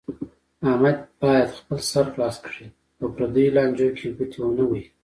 احمد باید خپل سر خلاص کړي، په پریو لانجو کې ګوتې و نه وهي.